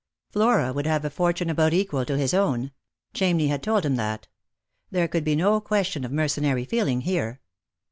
Flora would have a fortune about equal to his own ; Chamney had told him that. There could be no question of mercenary feeling here.